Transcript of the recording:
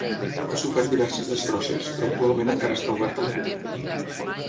Ha sofert diverses destrosses, però actualment encara està oberta al públic.